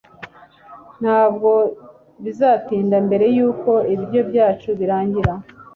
Ntabwo bizatinda mbere yuko ibiryo byacu birangira